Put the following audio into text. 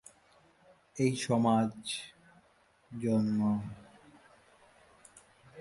কিন্তু এই সমাজ কিছুটা সুরক্ষিত আছে, আপনাদের জন্য।